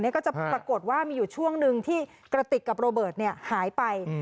ก็จะปรากฏว่ามีอยู่ช่วงหนึ่งที่กระติกกับโรเบิร์ตหายไป